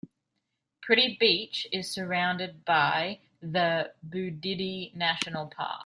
Pretty Beach is surrounded by the Bouddi National Park.